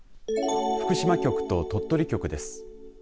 福島局と鳥取局です。